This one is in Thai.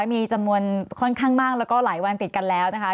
มีจำนวนค่อนข้างมากแล้วก็หลายวันติดกันแล้วนะคะ